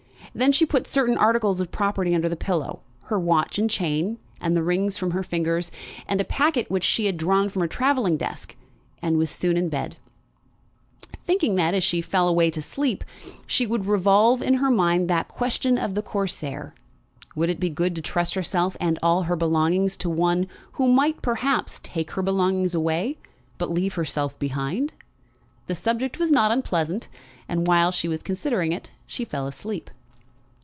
Then she put certain articles of property under her pillow, her watch and chain, and the rings from her fingers, and a packet which she had drawn from her travelling desk, and was soon in bed, thinking that, as she fell away to sleep, she would revolve in her mind that question of the Corsair; would it be good to trust herself and all her belongings to one who might perhaps take her belongings away, but leave herself behind? The subject was not unpleasant, and while she was considering it, she fell asleep.